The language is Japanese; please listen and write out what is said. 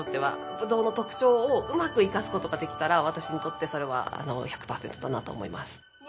ブドウの特徴をうまく活かすことができたら私にとってそれは１００％だなと思います。